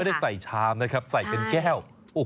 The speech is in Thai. ได้ใส่ชามนะครับใส่เป็นแก้ว